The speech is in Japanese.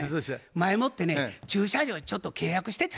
前もって駐車場にちょっと契約してた。